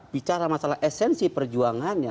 bicara masalah esensi perjuangannya